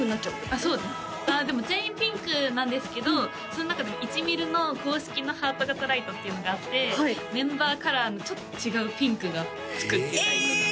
あっそうですでも全員ピンクなんですけどその中でもいちみるの公式のハート型ライトっていうのがあってメンバーカラーのちょっと違うピンクがつくっていうライトがあります